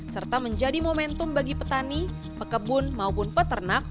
serta menjadi momentum bagi petani pekebun maupun peternak